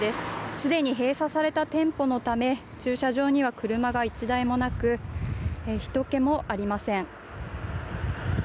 すでに閉鎖された店舗のため駐車場には車が１台もなくひとけもありません。